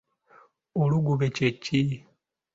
Oluggube kye ki?